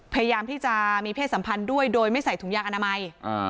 พยายามที่จะมีเพศสัมพันธ์ด้วยโดยไม่ใส่ถุงยางอนามัย